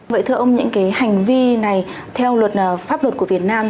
vậy thưa ông những cái hành vi này theo luật pháp luật của việt nam